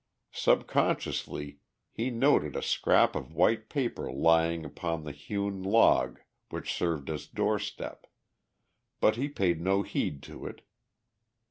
Subconsciously he noted a scrap of white paper lying upon the hewn log which served as doorstep, but he paid no heed to it.